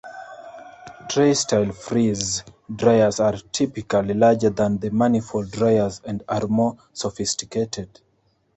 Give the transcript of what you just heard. Tray style freeze-dryers are typically larger than the manifold dryers and are more sophisticated.